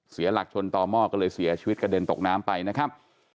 เสียหลักชนต่อหม้อก็เลยเสียชีวิตกระเด็นตกน้ำไปนะครับ